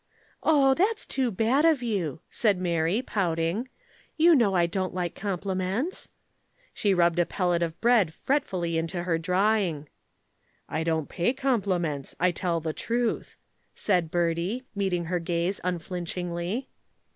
"Oh, that's too bad of you," said Mary pouting. "You know I don't like compliments." She rubbed a pellet of bread fretfully into her drawing. "I don't pay compliments. I tell the truth," said Bertie, meeting her gaze unflinchingly.